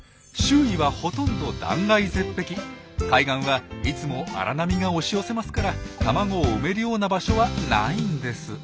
周囲はほとんど断崖絶壁海岸はいつも荒波が押し寄せますから卵を産めるような場所は無いんです。